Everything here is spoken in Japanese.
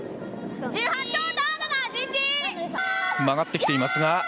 曲がってきていますが。